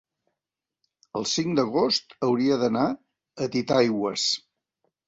El cinc d'agost hauria d'anar a Titaigües.